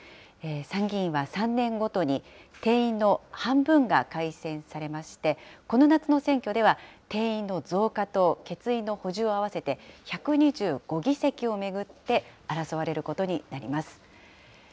参議院は３年ごとに、定員の半分が改選されまして、この夏の選挙では、定員の増加と欠員の補充を合わせて１２５議席を巡って争われることになります。